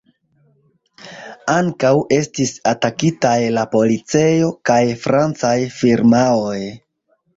Ankaŭ estis atakitaj la policejo kaj francaj firmaoj.